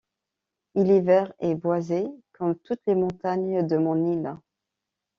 Il est vert et boisé comme toutes les montagnes de mon île!...